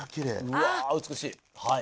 うわ美しいはい。